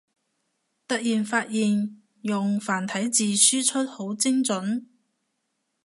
突然發現用繁體字輸出好精准